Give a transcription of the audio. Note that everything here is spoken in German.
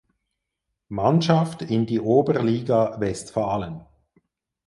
Mannschaft in die Oberliga Westfalen.